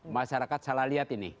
masyarakat salah lihat ini